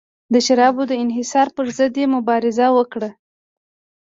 د شرابو د انحصار پرضد یې مبارزه وکړه.